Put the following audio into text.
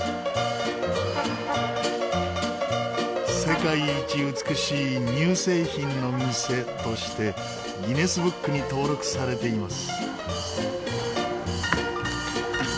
「世界一美しい乳製品の店」としてギネスブックに登録されています。